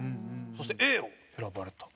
そしてＡを選ばれた。